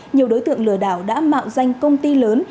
nhiều đối tượng lừa đảo đã mạo danh công ty lớn